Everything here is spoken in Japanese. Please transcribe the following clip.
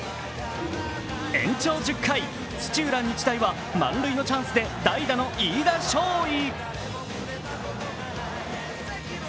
延長１０回、土浦日大は満塁のチャンスで代打の飯田将生。